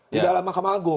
di dalam mahkamah agung